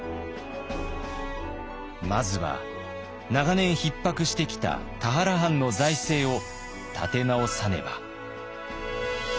まずは長年ひっ迫してきた田原藩の財政を立て直さねば。